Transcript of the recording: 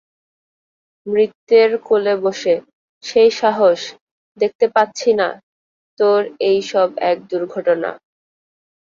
মৃত্যের কোলে বসে সেই সাহস দেখতে পাচ্ছি না তোর এইসব এক দুর্ঘটনা।